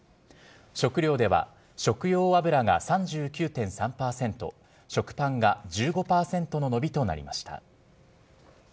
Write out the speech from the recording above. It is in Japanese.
食料では、食用油が３９．３％、食パンが１５％の伸びとなりました。